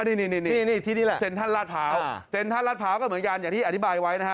นี่ที่นี่แหละเซ็นทรัลลาดพร้าวเซ็นทรัลลาดพร้าวก็เหมือนกันอย่างที่อธิบายไว้นะฮะ